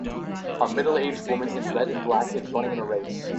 A middleaged woman in red and black is running in a race.